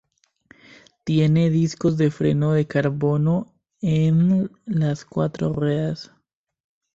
Tiene discos de freno de carbono eln las cuatro ruedas.